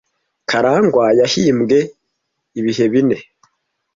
Karangwa yahimbye ibihe bine